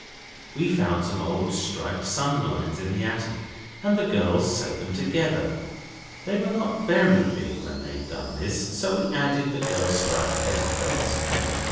We found some old striped sun blinds in the attic, and the girls sewed them together. They were not very big when they were done, so we added the girls' striped petticoats.